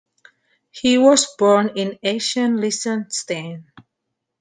He was born in Eschen, Liechtenstein.